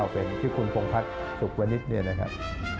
เป็นชื่อคุณพงพัฒน์สุขวณิตเนี่ยนะครับ